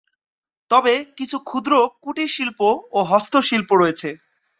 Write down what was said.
তবে কিছু ক্ষুদ্র কুটির শিল্প ও হস্তশিল্প রয়েছে।